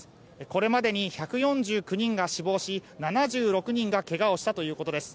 これまでに１４９人が死亡し７６人がけがをしたということです。